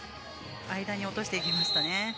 間に落としていきましたね。